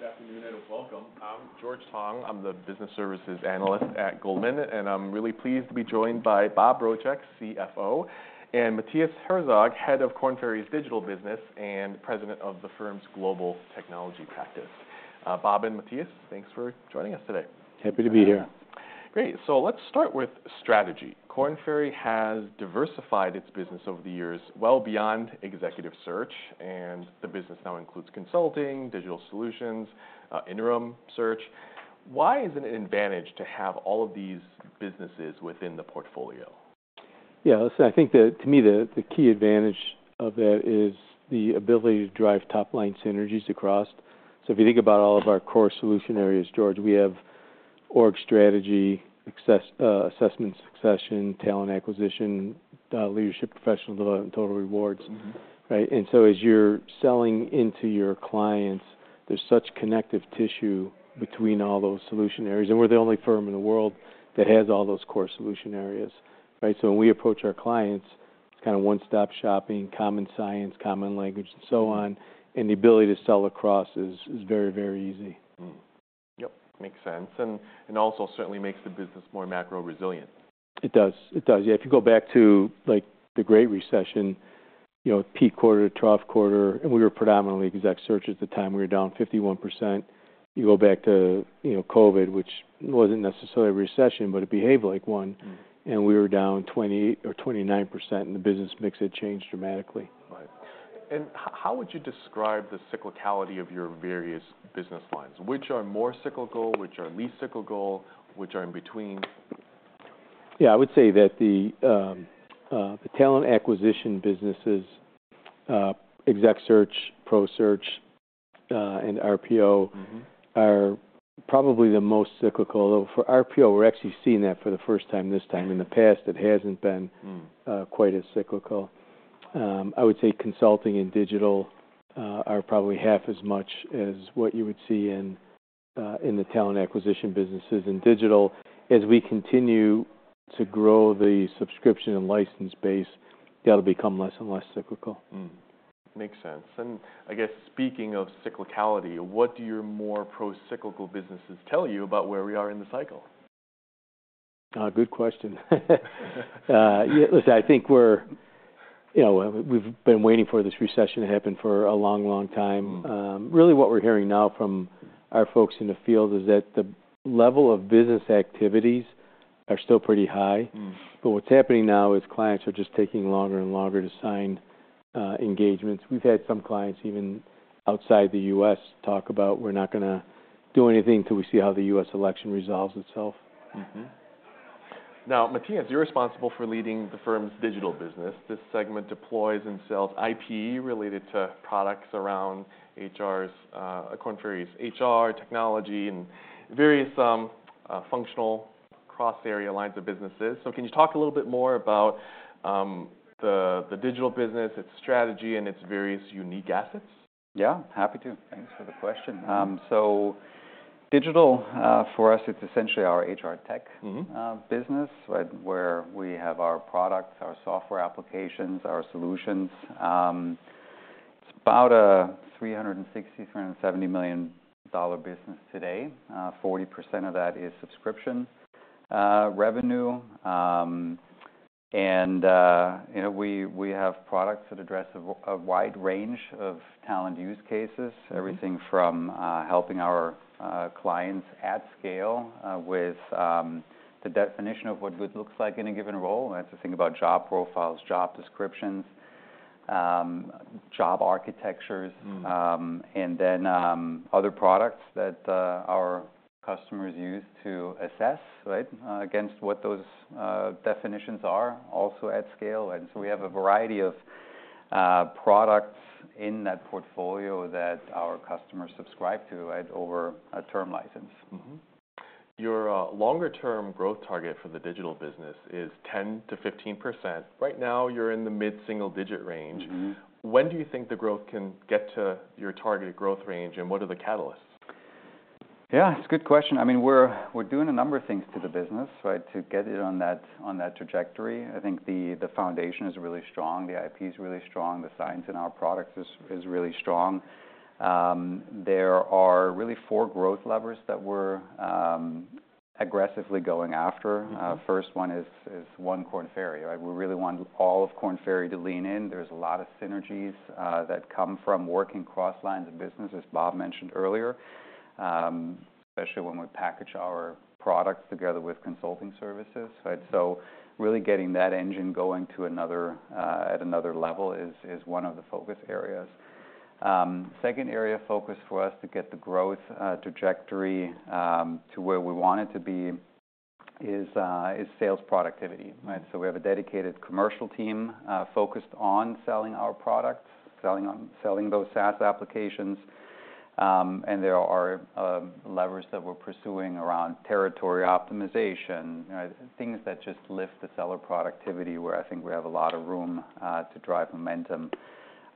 Good afternoon and welcome. I'm George Tong, I'm the business services analyst at Goldman, and I'm really pleased to be joined by Bob Rozek, CFO, and Mathias Herzog, head of Korn Ferry's digital business and president of the firm's global technology practice. Bob and Mathias, thanks for joining us today. Happy to be here. Great. So let's start with strategy. Korn Ferry has diversified its business over the years well beyond executive search, and the business now includes consulting, digital solutions, interim search. Why is it an advantage to have all of these businesses within the portfolio? Yeah, listen, I think that to me, the key advantage of that is the ability to drive top-line synergies across, so if you think about all of our core solution areas, George, we have org strategy, assessment, succession, talent acquisition, leadership, professional development, and total rewards. Mm-hmm. Right? And so as you're selling into your clients, there's such connective tissue between all those solution areas, and we're the only firm in the world that has all those core solution areas, right? So when we approach our clients, it's kind of one-stop shopping, common science, common language, and so on, and the ability to sell across is very, very easy. Mm-hmm. Yep, makes sense. And, and also certainly makes the business more macro resilient. It does. It does. Yeah, if you go back to, like, the Great Recession, you know, peak quarter-to-trough-quarter, and we were predominantly exec search at the time, we were down 51%. You go back to, you know, COVID, which wasn't necessarily a recession, but it behaved like one- Mm. - and we were down 20% or 29%, and the business mix had changed dramatically. Right. And how would you describe the cyclicality of your various business lines? Which are more cyclical, which are least cyclical, which are in between? Yeah, I would say that the talent acquisition businesses, exec search, pro search, and RPO- Mm-hmm... are probably the most cyclical. Although, for RPO, we're actually seeing that for the first time this time. In the past, it hasn't been- Mm... quite as cyclical. I would say consulting and digital are probably half as much as what you would see in the talent acquisition businesses. In digital, as we continue to grow the subscription and license base, that'll become less and less cyclical. Makes sense. And I guess speaking of cyclicality, what do your more pro-cyclical businesses tell you about where we are in the cycle? Good question. Yeah, listen, I think we're... You know, we've been waiting for this recession to happen for a long, long time. Mm. Really, what we're hearing now from our folks in the field is that the level of business activities are still pretty high. Mm. But what's happening now is clients are just taking longer and longer to sign, engagements. We've had some clients, even outside the U.S., talk about, "We're not gonna do anything till we see how the U.S. election resolves itself. Mm-hmm. Now, Mathias, you're responsible for leading the firm's digital business. This segment deploys and sells IP related to products around HR's, Korn Ferry's HR, technology, and various functional cross-area lines of businesses. So can you talk a little bit more about the digital business, its strategy, and its various unique assets? Yeah, happy to. Thanks for the question. Mm. So digital, for us, it's essentially our HR tech- Mm-hmm... business, right? Where we have our products, our software applications, our solutions. It's about a $360 million-$370 million business today. Forty percent of that is subscription revenue. You know, we have products that address a wide range of talent use cases- Mm... everything from helping our clients at scale with the definition of what good looks like in a given role, and that's the thing about job profiles, job descriptions, job architectures- Mm... and then, other products that our customers use to assess, right, against what those definitions are also at scale. And so we have a variety of products in that portfolio that our customers subscribe to, right, over a term license. Mm-hmm. Your longer-term growth target for the digital business is 10%-15%. Right now, you're in the mid-single-digit range. Mm-hmm. When do you think the growth can get to your targeted growth range, and what are the catalysts? Yeah, it's a good question. I mean, we're doing a number of things to the business, right, to get it on that trajectory. I think the foundation is really strong, the IP is really strong, the science in our products is really strong. There are really four growth levers that we're aggressively going after. Mm-hmm. First one is One Korn Ferry, right? We really want all of Korn Ferry to lean in. There's a lot of synergies that come from working across lines of business, as Bob mentioned earlier, especially when we package our products together with consulting services, right? So really getting that engine going to another level is one of the focus areas. Second area of focus for us to get the growth trajectory to where we want it to be is sales productivity, right? So we have a dedicated commercial team focused on selling our products, selling those SaaS applications. And there are levers that we're pursuing around territory optimization, you know, things that just lift the seller productivity, where I think we have a lot of room to drive momentum.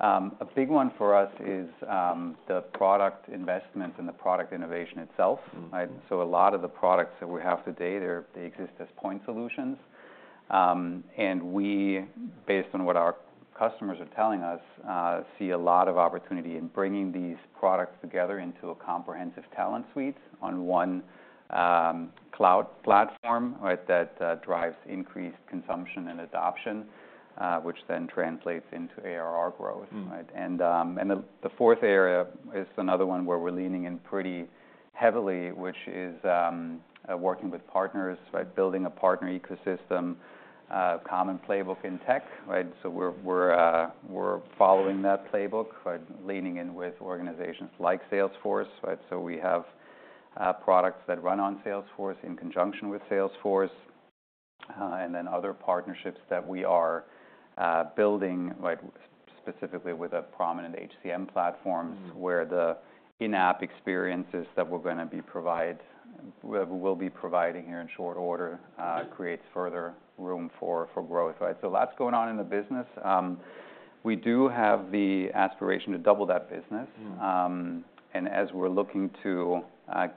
A big one for us is the product investments and the product innovation itself. Mm-hmm. Right? So a lot of the products that we have today, they exist as point solutions, and we, based on what our customers are telling us, see a lot of opportunity in bringing these products together into a comprehensive talent suite on one cloud platform, right? That drives increased consumption and adoption, which then translates into ARR growth, right? Mm-hmm. And the fourth area is another one where we're leaning in pretty heavily, which is working with partners, right? Building a partner ecosystem, common playbook in tech, right? So we're following that playbook, right, leaning in with organizations like Salesforce, right? So we have products that run on Salesforce in conjunction with Salesforce, and then other partnerships that we are building, like specifically with a prominent HCM platform- Mm. where the in-app experiences that we're gonna be providing here in short order creates further room for growth, right? So lots going on in the business. We do have the aspiration to double that business. Mm. And as we're looking to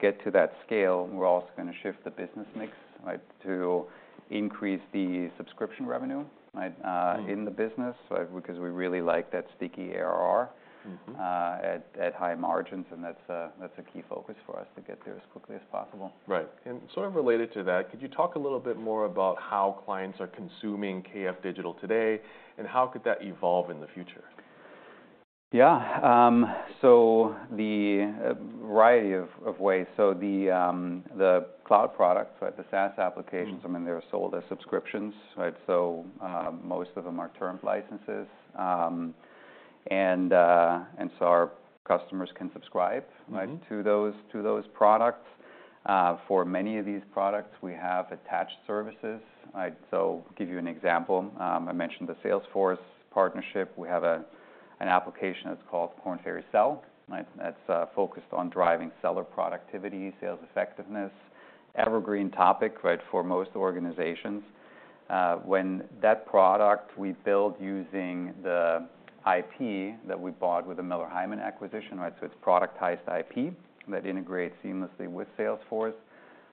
get to that scale, we're also gonna shift the business mix, right, to increase the subscription revenue, right- Mm... in the business, right? Because we really like that sticky ARR- Mm-hmm... at high margins, and that's a key focus for us to get there as quickly as possible. Right. And sort of related to that, could you talk a little bit more about how clients are consuming KF Digital today, and how could that evolve in the future? Yeah. So a variety of ways. So the cloud products, right, the SaaS applications- Mm... I mean, they're sold as subscriptions, right? So, most of them are termed licenses. And so our customers can subscribe- Mm-hmm... right, to those products. For many of these products, we have attached services, right? So give you an example. I mentioned the Salesforce partnership. We have a, an application that's called Korn Ferry Sell, right? That's focused on driving seller productivity, sales effectiveness. Evergreen topic, right, for most organizations. When that product we build using the IP that we bought with the Miller Heiman acquisition, right? So it's productized IP that integrates seamlessly with Salesforce,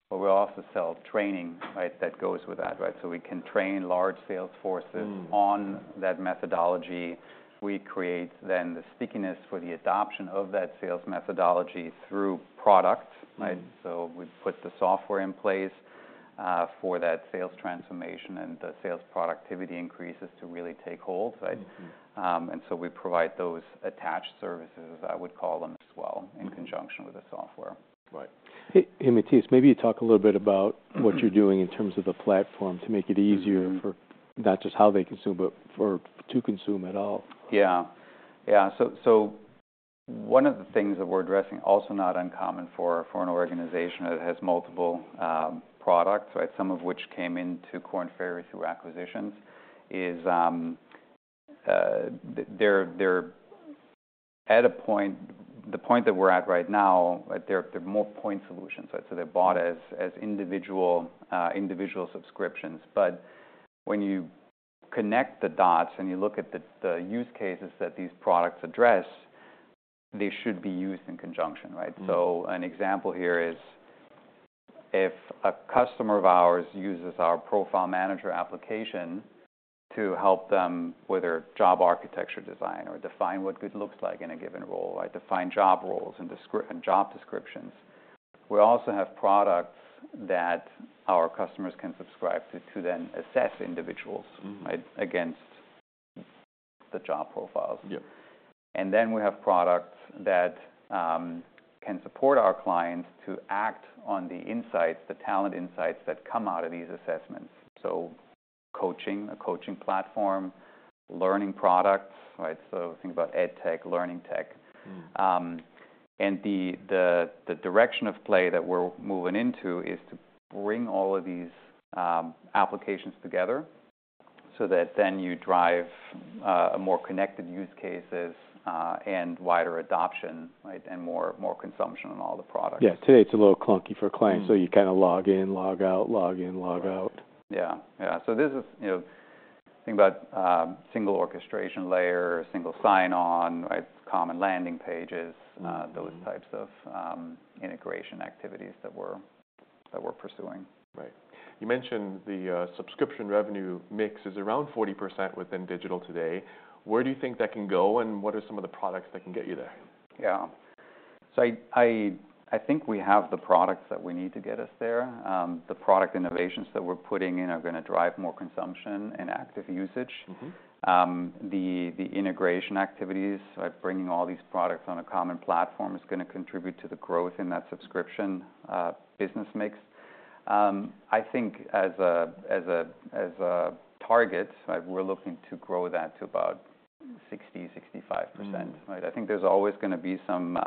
but we also sell training, right, that goes with that, right? So we can train large sales forces- Mm... on that methodology. We create then the stickiness for the adoption of that sales methodology through product, right? Mm. So we put the software in place, for that sales transformation, and the sales productivity increases to really take hold, right? Mm-hmm. And so we provide those attached services, I would call them, as well- Mm... in conjunction with the software. Right. Hey, hey, Mathias, maybe you talk a little bit about what you're doing in terms of the platform to make it easier- Mm... for not just how they consume, but for to consume at all. Yeah. Yeah, so one of the things that we're addressing, also not uncommon for an organization that has multiple products, right? Some of which came into Korn Ferry through acquisitions, is they're at a point. The point that we're at right now, right, they're more point solutions, right? So they're bought as individual subscriptions. But when you connect the dots and you look at the use cases that these products address, they should be used in conjunction, right? Mm. So an example here is, if a customer of ours uses our Profile Manager application to help them with their job architecture design or define what good looks like in a given role, right? Define job roles and job descriptions. We also have products that our customers can subscribe to, to then assess individuals. Mm... right, against the job profiles. Yep. And then we have products that can support our clients to act on the insights, the talent insights, that come out of these assessments. So coaching, a coaching platform, learning products, right? So think about edtech, learning tech. Mm. And the direction of play that we're moving into is to bring all of these applications together, so that then you drive a more connected use cases, and wider adoption, right? And more consumption on all the products. Yeah. Today, it's a little clunky for clients- Mm... so you kinda log in, log out, log in, log out. Yeah. Yeah, so this is, you know, think about single orchestration layer, single sign-on, right? Common landing pages- Mm... those types of integration activities that we're pursuing. Right. You mentioned the subscription revenue mix is around 40% within Digital today. Where do you think that can go, and what are some of the products that can get you there? Yeah, so I think we have the products that we need to get us there. The product innovations that we're putting in are gonna drive more consumption and active usage. Mm-hmm. The integration activities, right, bringing all these products on a common platform, is gonna contribute to the growth in that subscription business mix. I think as a target, right, we're looking to grow that to about 60%-65%. Mm. Right? I think there's always gonna be some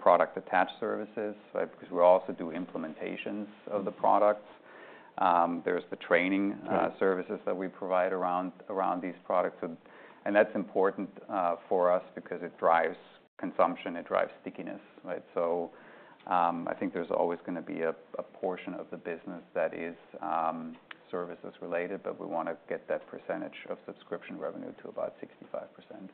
product attached services, right? Because we also do implementations of the products. There's the training- Right... services that we provide around these products, and that's important for us because it drives consumption, it drives stickiness, right, so I think there's always gonna be a portion of the business that is services related, but we wanna get that percentage of subscription revenue to about 65%....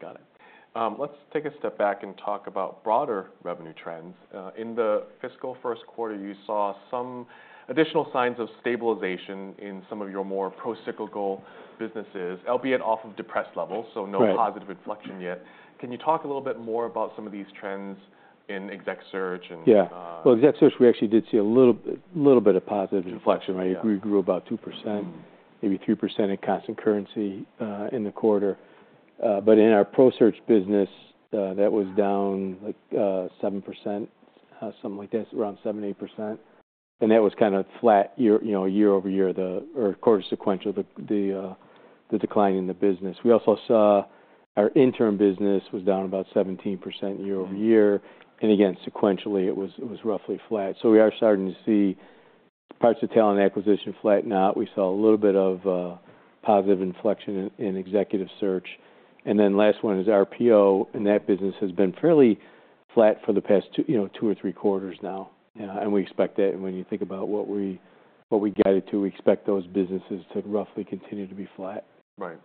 Got it. Let's take a step back and talk about broader revenue trends. In the fiscal Q1, you saw some additional signs of stabilization in some of your more procyclical businesses, albeit off of depressed levels- Right. So no positive inflection yet. Can you talk a little bit more about some of these trends in exec search and, Yeah. Well, exec search, we actually did see a little bit of positive- Inflection, yeah. We grew about 2%, maybe 3% in constant currency in the quarter. But in our pro search business, that was down, like, 7%, something like that, around 7%-8%. And that was kind of flat year-over-year, or quarter sequential, the decline in the business. We also saw our interim business was down about 17% year-over-year. And again, sequentially, it was roughly flat. So we are starting to see parts of talent acquisition flatten out. We saw a little bit of positive inflection in executive search. And then last one is RPO, and that business has been fairly flat for the past two, you know, two or three quarters now, and we expect that. And when you think about what we guided to, we expect those businesses to roughly continue to be flat. Right.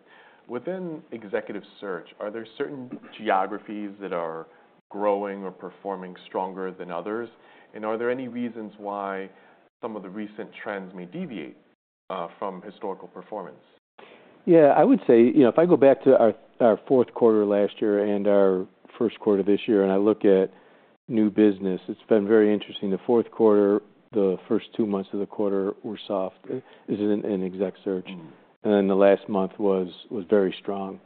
Within executive search, are there certain geographies that are growing or performing stronger than others? And are there any reasons why some of the recent trends may deviate from historical performance? Yeah, I would say, you know, if I go back to our Q4 last year and our Q1 this year, and I look at new business, it's been very interesting. The Q4, the first two months of the quarter were soft in exec search, and then the last month was very strong.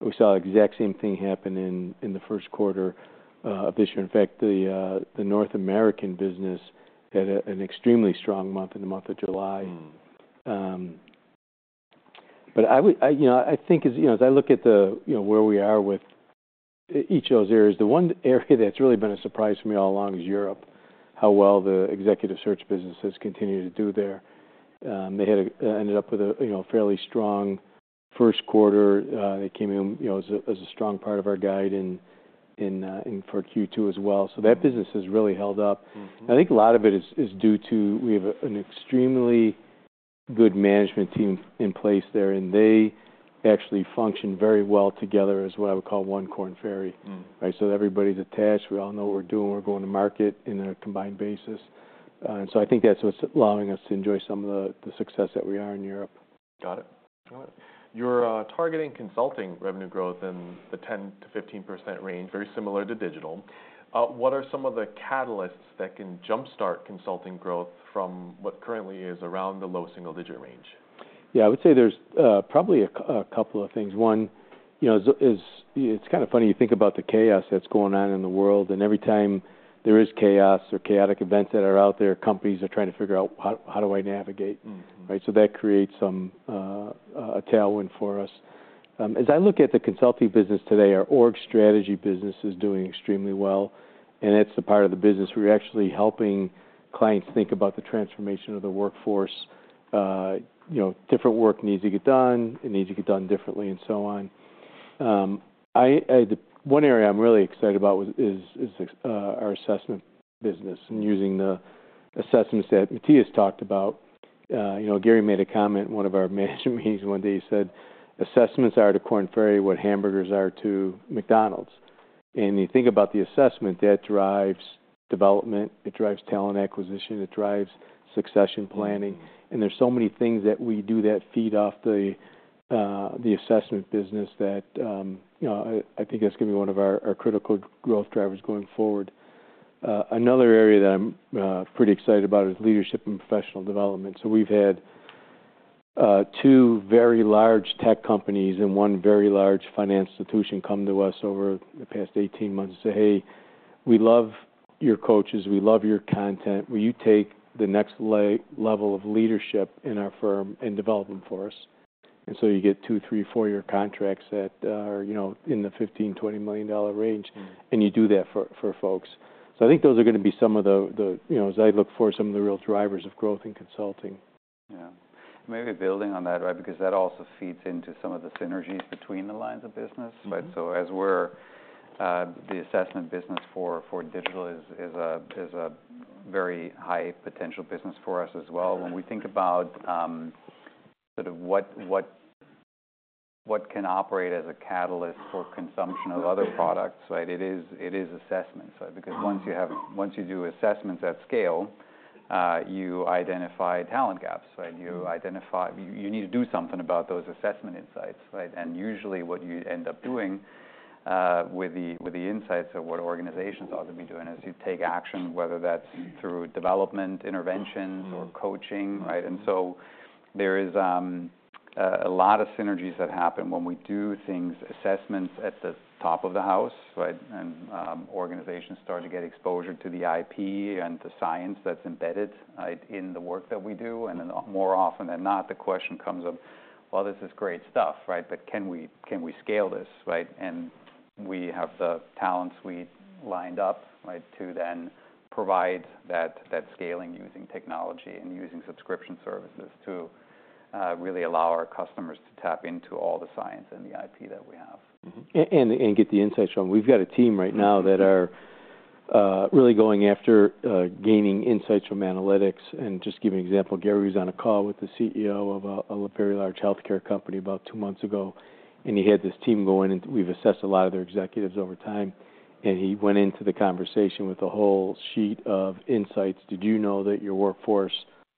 We saw the exact same thing happen in the Q1 of this year. In fact, the North American business had an extremely strong month in the month of July. Mm. But I would, you know, I think as, you know, as I look at the, you know, where we are with each of those areas, the one area that's really been a surprise for me all along is Europe, how well the executive search business has continued to do there. They ended up with a, you know, fairly strong Q1. They came in, you know, as a strong part of our guide in for Q2 as well. So that business has really held up. Mm-hmm. I think a lot of it is due to we have an extremely good management team in place there, and they actually function very well together as what I would call One Korn Ferry. Mm. Right? So everybody's attached. We all know what we're doing. We're going to market in a combined basis. And so I think that's what's allowing us to enjoy some of the success that we are in Europe. Got it. Got it. You're targeting consulting revenue growth in the 10-15% range, very similar to digital. What are some of the catalysts that can jumpstart consulting growth from what currently is around the low single-digit range? Yeah, I would say there's probably a couple of things. One, you know, is. It's kind of funny, you think about the chaos that's going on in the world, and every time there is chaos or chaotic events that are out there, companies are trying to figure out, "How do I navigate? Mm-hmm. Right? So that creates some, a tailwind for us. As I look at the consulting business today, our org strategy business is doing extremely well, and that's the part of the business we're actually helping clients think about the transformation of the workforce. You know, different work needs to get done, it needs to get done differently and so on. The one area I'm really excited about is our assessment business. Mm. and using the assessments that Mathias talked about. You know, Gary made a comment in one of our management meetings one day. He said: Assessments are to Korn Ferry what hamburgers are to McDonald's. And you think about the assessment, that drives development, it drives talent acquisition, it drives succession planning. Mm. There's so many things that we do that feed off the assessment business that you know I think that's gonna be one of our critical growth drivers going forward. Another area that I'm pretty excited about is leadership and professional development. We've had two very large tech companies and one very large finance institution come to us over the past 18 months and say, "Hey, we love your coaches. We love your content. Will you take the next level of leadership in our firm and develop them for us?" You get two, three, four-year contracts that are you know in the $15 million-$20 million range. Mm. and you do that for folks. So I think those are gonna be some of the... you know, as I look for some of the real drivers of growth in consulting. Yeah. Maybe building on that, right? Because that also feeds into some of the synergies between the lines of business. Right. So as we're the assessment business for digital is a very high potential business for us as well. When we think about sort of what can operate as a catalyst for consumption of other products, right? It is assessment, right? Mm. Because once you do assessments at scale, you identify talent gaps, right? Mm. You identify... You need to do something about those assessment insights, right? And usually, what you end up doing with the insights of what organizations ought to be doing is you take action, whether that's through development, interventions- Mm. - or coaching, right? Mm. And so there is a lot of synergies that happen when we do things, assessments, at the top of the house, right? And organizations start to get exposure to the IP and the science that's embedded, right, in the work that we do. And then more often than not, the question comes up, "Well, this is great stuff, right? But can we scale this?" Right? And we have the talents we lined up, right, to then provide that scaling using technology and using subscription services to really allow our customers to tap into all the science and the IP that we have. Mm-hmm. And get the insights from... We've got a team right now- Mm that are really going after gaining insights from analytics. And just give you an example, Gary was on a call with the CEO of a very large healthcare company about two months ago, and he had this team going, and we've assessed a lot of their executives over time, and he went into the conversation with a whole sheet of insights: "Did you know that your workforce,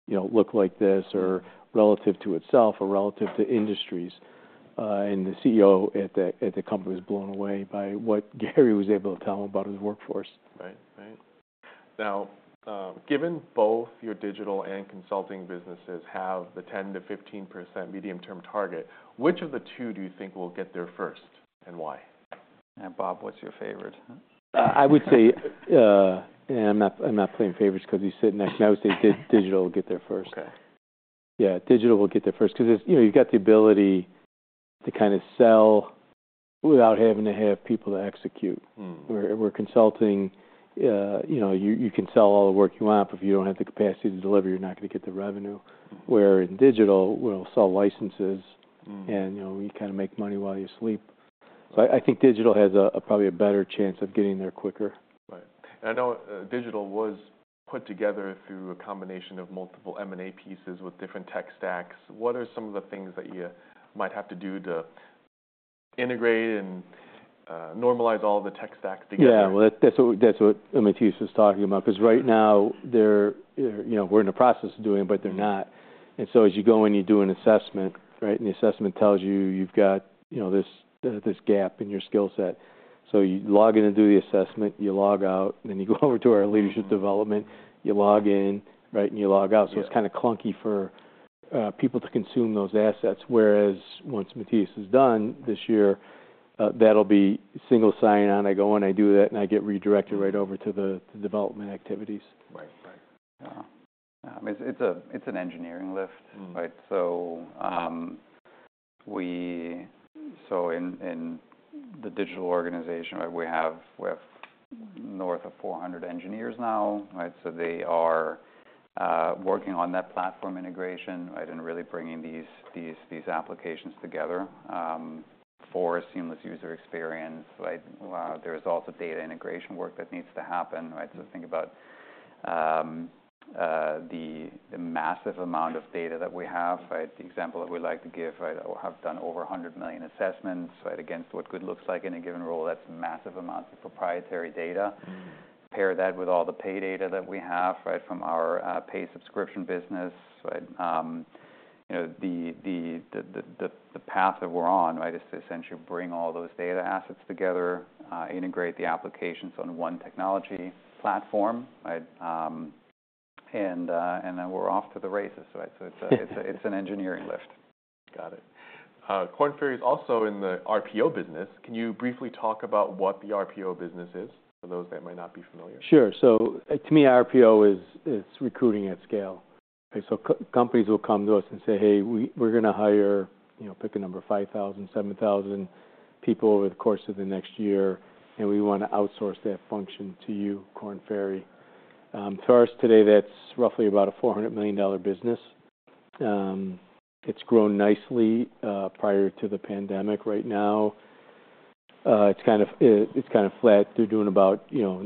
you know, looked like this, or relative to itself or relative to industries?" and the CEO at the company was blown away by what Gary was able to tell him about his workforce. Right. Right. Now, given both your digital and consulting businesses have the 10%-15% medium-term target, which of the two do you think will get there first, and why? Bob, what's your favorite? I would say, and I'm not, I'm not playing favorites 'cause you sit next to me. I would say digital will get there first. Okay. Yeah, digital will get there first, 'cause it's, you know, you've got the ability to kind of sell without having to have people to execute. Mm. Where consulting, you know, you can sell all the work you want, but if you don't have the capacity to deliver, you're not gonna get the revenue. Mm. Where in digital, we'll sell licenses- Mm. and, you know, you kind of make money while you sleep. So I think digital has a, probably a better chance of getting there quicker. Right. And I know, digital was put together through a combination of multiple M&A pieces with different tech stacks. What are some of the things that you might have to do to integrate and normalize all the tech stacks together? Yeah, well, that, that's what, that's what Mathias was talking about, 'cause right now, they're... You know, we're in the process of doing it, but they're not, and so as you go in, you do an assessment, right? And the assessment tells you, you've got, you know, this gap in your skill set. So you log in and do the assessment, you log out, and then you go over to our leadership development. You log in, right, and you log out. Yeah. It's kind of clunky for people to consume those assets, whereas once Mathias is done this year, that'll be single sign-on. I go in, I do that, and I get redirected right over to the- Mm... development activities. Right. Right. Yeah. It's an engineering lift- Mm... right? So, so in the digital organization, right, we have north of 400 engineers now, right? So they are working on that platform integration, right, and really bringing these applications together for a seamless user experience, right? There is also data integration work that needs to happen, right? So think about the massive amount of data that we have, right? The example that we like to give, right, we have done over 100 million assessments, right? Against what good looks like in a given role, that's a massive amount of proprietary data. Mm. Pair that with all the pay data that we have, right, from our pay subscription business, right? You know, the path that we're on, right, is to essentially bring all those data assets together, integrate the applications on one technology platform, right? And then we're off to the races, right? So it's an engineering lift. Got it. Korn Ferry is also in the RPO business. Can you briefly talk about what the RPO business is, for those that might not be familiar? Sure. So, to me, RPO is recruiting at scale. Okay, so companies will come to us and say, "Hey, we're gonna hire," you know, pick a number, "five thousand, seven thousand people over the course of the next year, and we wanna outsource that function to you, Korn Ferry." To us today, that's roughly about a $400 million business. It's grown nicely, prior to the pandemic. Right now, it's kind of flat. They're doing about, you know,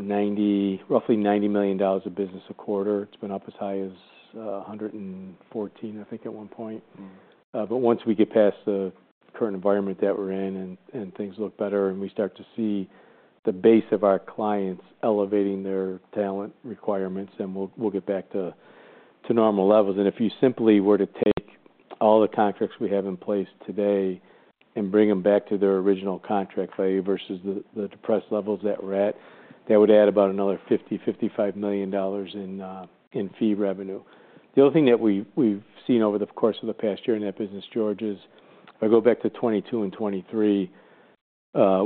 roughly $90 million of business a quarter. It's been up as high as $114 million, I think, at one point. Mm. But once we get past the current environment that we're in, and things look better, and we start to see the base of our clients elevating their talent requirements, then we'll get back to normal levels. And if you simply were to take all the contracts we have in place today and bring them back to their original contract value versus the depressed levels that we're at, that would add about another $50 million-$55 million in fee revenue. The other thing that we've seen over the course of the past year in that business, George, is if I go back to 2022 and 2023,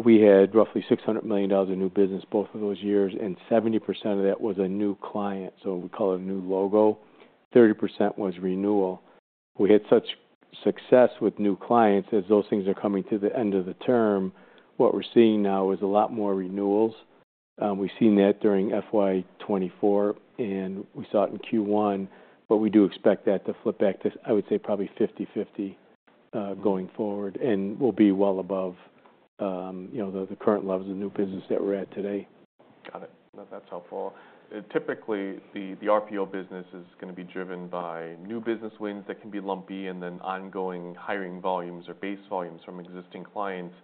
we had roughly $600 million of new business both of those years, and 70% of that was a new client, so we call it a new logo. 30% was renewal. We had such success with new clients. As those things are coming to the end of the term, what we're seeing now is a lot more renewals. We've seen that during FY 2024, and we saw it in Q1, but we do expect that to flip back to, I would say, probably 50/50, going forward. We'll be well above you know the current levels of new business that we're at today. Got it. No, that's helpful. Typically, the RPO business is gonna be driven by new business wins that can be lumpy, and then ongoing hiring volumes or base volumes from existing clients.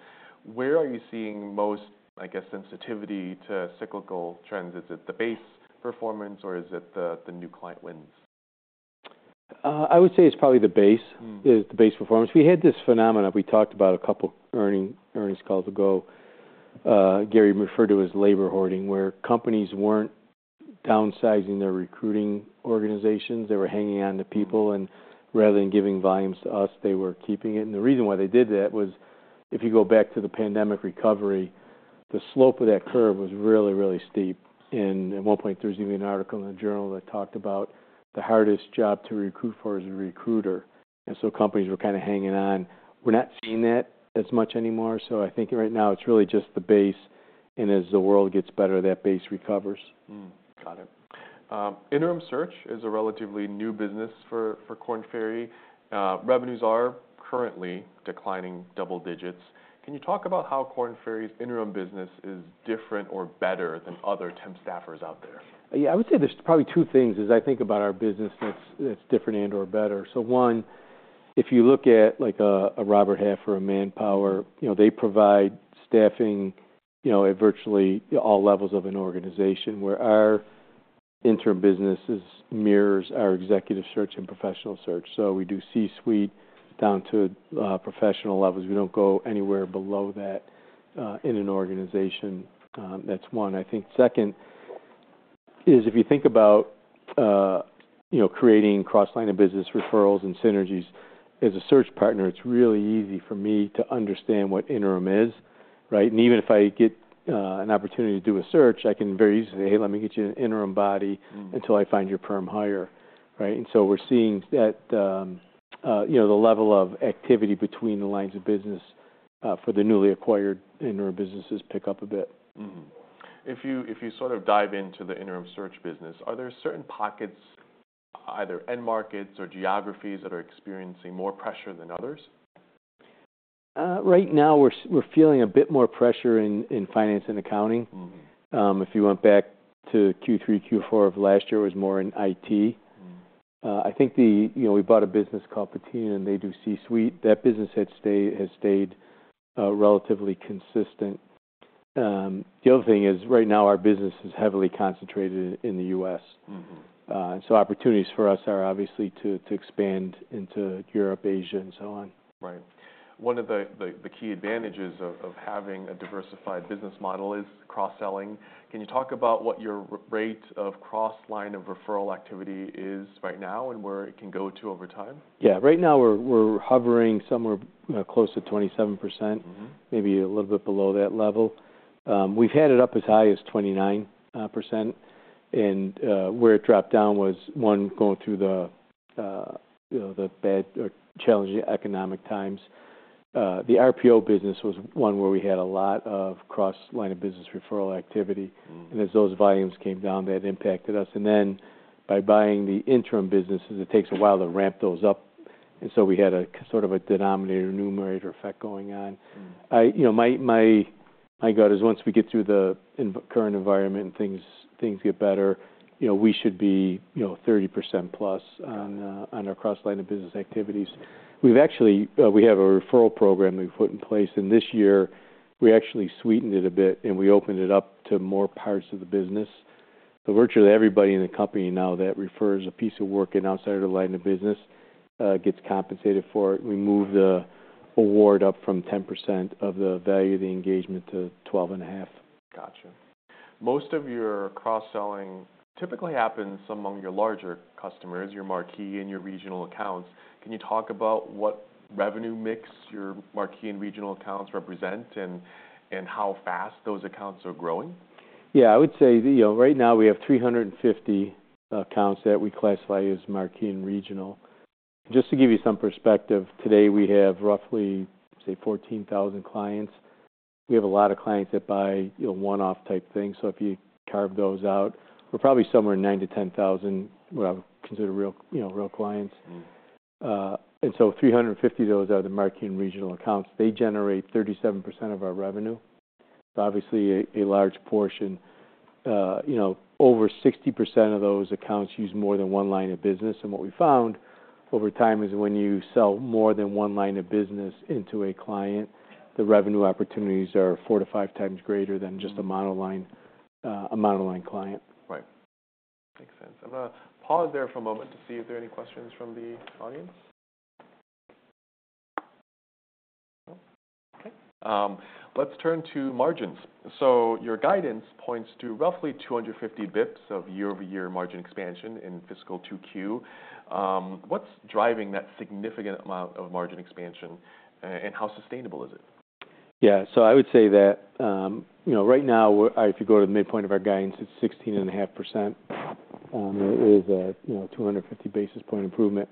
Where are you seeing most, I guess, sensitivity to cyclical trends? Is it the base performance or is it the new client wins? I would say it's probably the base- Mm... is the base performance. We had this phenomenon we talked about a couple earnings calls ago, Gary referred to as labor hoarding, where companies weren't downsizing their recruiting organizations. They were hanging on to people, and rather than giving volumes to us, they were keeping it, and the reason why they did that was, if you go back to the pandemic recovery, the slope of that curve was really, really steep, and at one point, there was even an article in the Journal that talked about the hardest job to recruit for is a recruiter, and so companies were kind of hanging on. We're not seeing that as much anymore, so I think right now it's really just the base, and as the world gets better, that base recovers. Interim search is a relatively new business for Korn Ferry. Revenues are currently declining double digits. Can you talk about how Korn Ferry's interim business is different or better than other temp staffers out there? Yeah, I would say there's probably two things as I think about our business that's different and, or better. So one, if you look at, like, a Robert Half or a Manpower, you know, they provide staffing, you know, at virtually all levels of an organization, where our interim business is mirrors our executive search and professional search. So we do C-suite down to professional levels. We don't go anywhere below that in an organization. That's one. I think second is if you think about you know, creating cross-line of business referrals and synergies, as a search partner, it's really easy for me to understand what interim is, right? And even if I get an opportunity to do a search, I can very easily say, "Hey, let me get you an interim body- Mm. -until I find your perm hire," right? And so we're seeing that, you know, the level of activity between the lines of business, for the newly acquired interim businesses pick up a bit. If you sort of dive into the interim search business, are there certain pockets, either end markets or geographies, that are experiencing more pressure than others? Right now, we're feeling a bit more pressure in finance and accounting. Mm-hmm. If you went back to Q3, Q4 of last year, it was more in IT. Mm. I think... You know, we bought a business called Patina, and they do C-suite. That business has stayed relatively consistent. The other thing is, right now, our business is heavily concentrated in the US. Mm-hmm. So opportunities for us are obviously to expand into Europe, Asia, and so on. Right. One of the key advantages of having a diversified business model is cross-selling. Can you talk about what your rate of cross line of referral activity is right now, and where it can go to over time? Yeah. Right now, we're hovering somewhere close to 27%. Mm-hmm... maybe a little bit below that level. We've had it up as high as 29%, and where it dropped down was, one, going through the, you know, the bad or challenging economic times. The RPO business was one where we had a lot of cross-line of business referral activity. Mm. And as those volumes came down, that impacted us. And then by buying the interim businesses, it takes a while to ramp those up, and so we had a sort of a denominator and numerator effect going on. Mm. You know, my gut is once we get through the current environment and things get better, you know, we should be, you know, 30% plus on our cross-line of business activities. We have a referral program we've put in place, and this year, we actually sweetened it a bit, and we opened it up to more parts of the business. So virtually everybody in the company now that refers a piece of work in outside of the line of business gets compensated for it. We moved the award up from 10% of the value of the engagement to 12.5%. Gotcha. Most of your cross-selling typically happens among your larger customers, your marquee and your regional accounts. Can you talk about what revenue mix your Marquee and Regional accounts represent and how fast those accounts are growing? Yeah. I would say, you know, right now, we have 350 accounts that we classify as Marquee and Regional. Just to give you some perspective, today, we have roughly, say, 14,000 clients. We have a lot of clients that buy, you know, one-off type things. So if you carve those out, we're probably somewhere 9,000-10,000, what I would consider real, you know, real clients. Mm. And so 350 of those are the Marquee and Regional accounts. They generate 37% of our revenue, so obviously a large portion. You know, over 60% of those accounts use more than one line of business, and what we found over time is when you sell more than one line of business into a client, the revenue opportunities are 4-5 times greater than just- Mm... a monoline client. Right. Makes sense. I'm gonna pause there for a moment to see if there are any questions from the audience. No? Okay. Let's turn to margins. So your guidance points to roughly 250 basis points of year-over-year margin expansion in fiscal 2Q. What's driving that significant amount of margin expansion, and how sustainable is it? Yeah. So I would say that, you know, right now, if you go to the midpoint of our guidance, it's 16.5%, it is a, you know, 250 basis point improvement.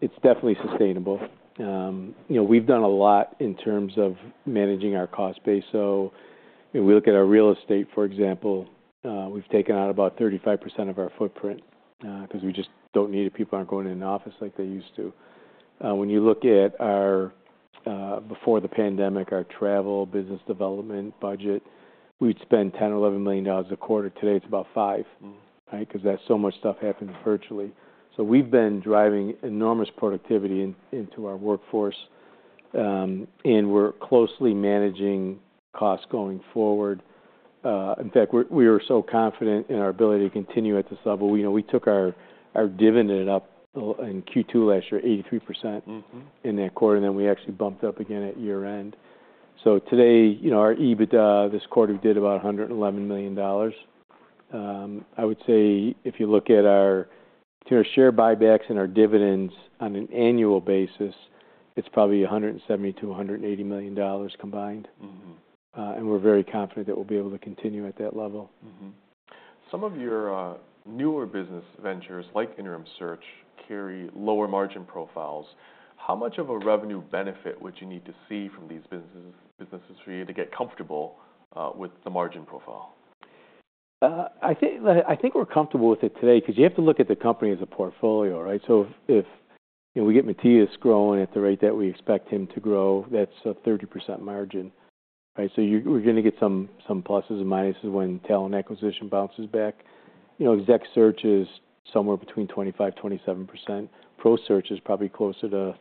It's definitely sustainable. You know, we've done a lot in terms of managing our cost base. So if we look at our real estate, for example, we've taken out about 35% of our footprint, because we just don't need it. People aren't going into an office like they used to. When you look at our, before the pandemic, our travel, business development budget, we'd spend $10 million-$11 million a quarter. Today, it's about five- Mm. Right? Because there's so much stuff happening virtually. So we've been driving enormous productivity into our workforce, and we're closely managing costs going forward. In fact, we were so confident in our ability to continue at this level, you know, we took our dividend up in Q2 last year, 83%. Mm-hmm... in that quarter, and then we actually bumped up again at year-end. So today, you know, our EBITDA this quarter did about $111 million. I would say, if you look at our, you know, share buybacks and our dividends on an annual basis, it's probably $170 million-$180 million combined. Mm-hmm. And we're very confident that we'll be able to continue at that level. Mm-hmm. Some of your newer business ventures, like interim search, carry lower margin profiles. How much of a revenue benefit would you need to see from these businesses for you to get comfortable with the margin profile?... I think we're comfortable with it today, because you have to look at the company as a portfolio, right? So if we get Mathias growing at the rate that we expect him to grow, that's a 30% margin, right? So you're, we're gonna get some pluses and minuses when talent acquisition bounces back. You know, exec search is somewhere between 25%-27%. Pro search is probably closer to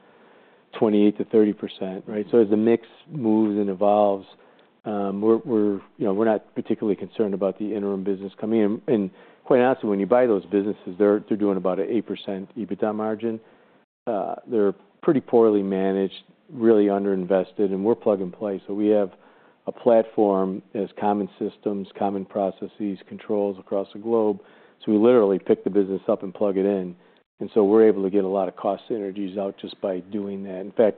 28%-30%, right? So as the mix moves and evolves, we're, you know, we're not particularly concerned about the interim business coming in. And quite honestly, when you buy those businesses, they're doing about an 8% EBITDA margin. They're pretty poorly managed, really underinvested, and we're plug-and-play. So we have a platform as common systems, common processes, controls across the globe, so we literally pick the business up and plug it in, and so we're able to get a lot of cost synergies out just by doing that. In fact,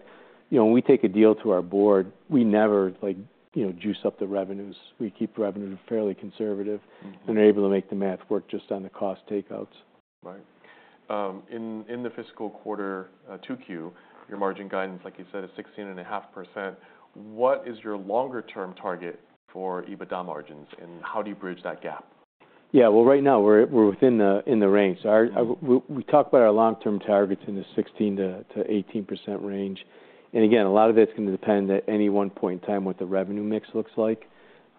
you know, when we take a deal to our board, we never, like, you know, juice up the revenues. We keep revenue fairly conservative- Mm-hmm. and are able to make the math work just on the cost takeouts. Right. In the fiscal Q2, your margin guidance, like you said, is 16.5%. What is your longer-term target for EBITDA margins, and how do you bridge that gap? Yeah. Well, right now, we're within the range. So our- Mm-hmm. We talked about our long-term targets in the 16%-18% range, and again, a lot of it's gonna depend at any one point in time, what the revenue mix looks like.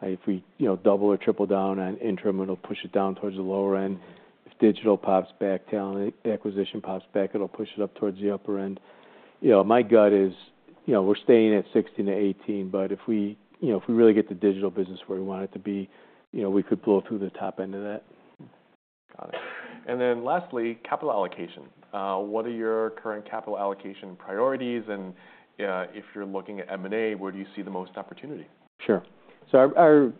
If we, you know, double or triple down on interim, it'll push it down towards the lower end. If digital pops back, talent acquisition pops back, it'll push it up towards the upper end. You know, my gut is, you know, we're staying at 16%-18%, but if we, you know, if we really get the digital business where we want it to be, you know, we could pull it through the top end of that. Got it. And then lastly, capital allocation. What are your current capital allocation priorities? And, if you're looking at M&A, where do you see the most opportunity? Sure. So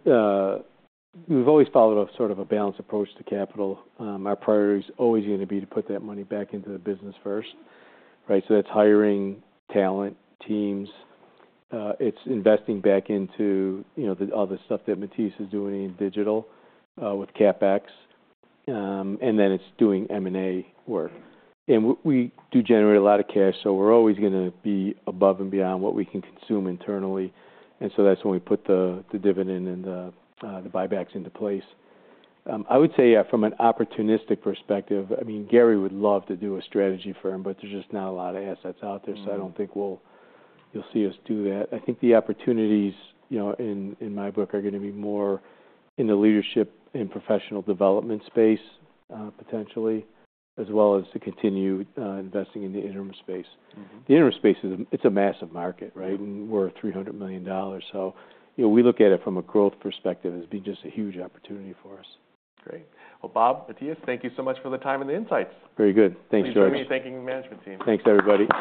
we've always followed a sort of a balanced approach to capital. Our priority is always gonna be to put that money back into the business first, right? So that's hiring talent, teams, it's investing back into, you know, the other stuff that Mathias is doing in digital, with CapEx, and then it's doing M&A work. And we do generate a lot of cash, so we're always gonna be above and beyond what we can consume internally, and so that's when we put the dividend and the buybacks into place. I would say, yeah, from an opportunistic perspective, I mean, Gary would love to do a strategy firm, but there's just not a lot of assets out there. Mm-hmm. So I don't think you'll see us do that. I think the opportunities, you know, in my book, are gonna be more in the leadership and professional development space, potentially, as well as to continue investing in the interim space. Mm-hmm. The interim space is. It's a massive market, right? Mm-hmm. We're $300 million, so you know, we look at it from a growth perspective as being just a huge opportunity for us. Great. Well, Bob, Mathias, thank you so much for the time and the insights. Very good. Thanks, George. Please join me in thanking the management team. Thanks, everybody.